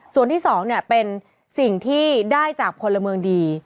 ส่วนที่สองเนี่ยเป็นสิ่งที่ได้จากคนละเมืองดี